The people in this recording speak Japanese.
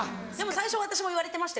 最初私も言われてました。